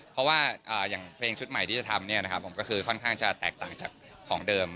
เพราะว่าอย่างเพลงชุดใหม่ที่จะทำผมก็คือค่อนข้างจะแตกต่างจากของเดิม